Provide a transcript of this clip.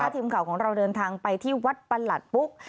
ทีมข่าวของเราเดินทางไปที่วัดประหลัดปุ๊ก